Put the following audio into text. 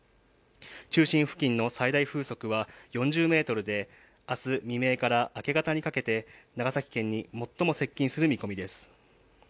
中心付近の最大風速は４０メートルで明日未明から明け方にかけて長崎県に最も接近する見込みです。